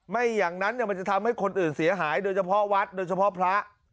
ไม่อย่างนั้นมันจะทำให้คนอื่นเสียหายโดยเฉพาะวัดโดยเฉพาะพระ